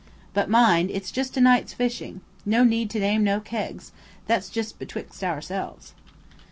But mind, it's just a night's fishing. No need to name no kegs. That's just betwixt ourselves."